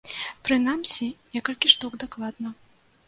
Прынамсі, некалькі штук дакладна.